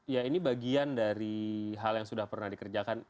ya ini bagian dari hal yang sudah pernah dikerjakan